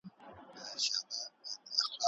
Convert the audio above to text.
د هغه خپل د ځان سره جڼه جڼه وه .